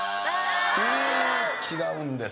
違うんです。